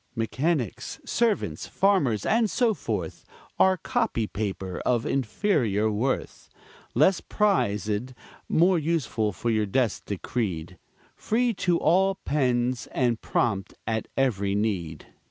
Mechanics, servants, farmers, and so forth, Are copy paper, of inferior worth, Less prized, more useful, for your desk decreed. Free to all pens, and prompt at every need.